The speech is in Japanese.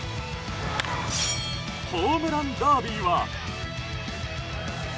ホームランダービーは？